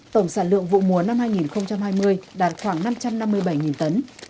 tổng sản lượng vụ mùa năm hai nghìn hai mươi đạt khoảng năm trăm năm mươi bảy tấn